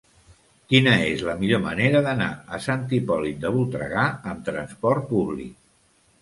Quina és la millor manera d'anar a Sant Hipòlit de Voltregà amb trasport públic?